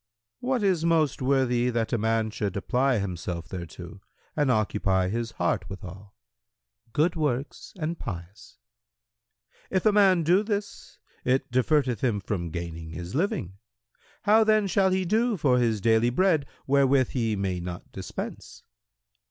Q "What is most worthy that a man should apply himself thereto and occupy his heart withal?"— "Good works and pious." Q "If a man do this it diverteth him from gaining his living; how then shall he do for his daily bread wherewith he may not dispense?"